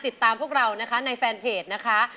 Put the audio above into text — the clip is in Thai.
ติดตามพวกเรานะคะในแฟนเพจนะคะ